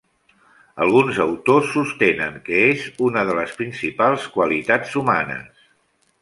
Alguns autors sostenen que és una de les principals qualitats humanes.